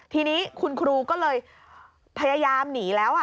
ทีนี้คุณครูก็เลยพยายามหนีแล้ว